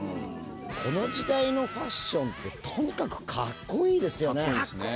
この時代のファッションってとにかくカッコいいですよね。